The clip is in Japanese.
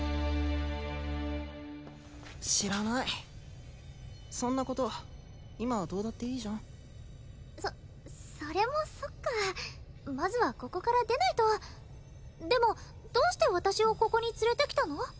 知らないそんなこと今はどうだっていいじゃんそそれもそっかまずはここから出ないとでもどうして私をここに連れてきたの？